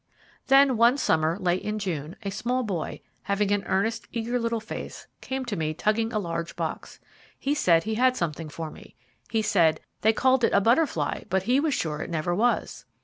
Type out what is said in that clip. Then one summer, late in June, a small boy, having an earnest, eager little face, came to me tugging a large box. He said he had something for me. He said "they called it a butterfly, but he was sure it never was."